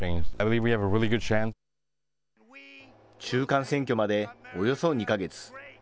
中間選挙までおよそ２か月。